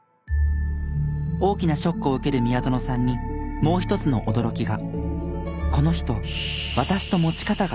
大きなショックを受ける宮薗さんにもう一つの驚きが。